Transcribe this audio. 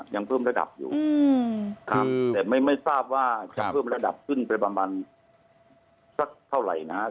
แต่ไม่ทราบว่าจะเพิ่มระดับขึ้นไปประมาณสักเท่าไหร่นะครับ